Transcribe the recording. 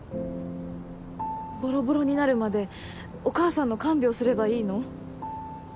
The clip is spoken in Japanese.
ボロボロになるまでお母さんの看病すればいいの？